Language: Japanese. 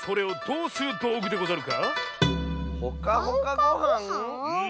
うん。